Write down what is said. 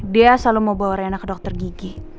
dia selalu mau bawa reina ke dokter gigi